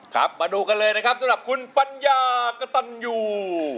ครับมาดูกันเลยนะครับสำหรับคุณปัญญากระตันยู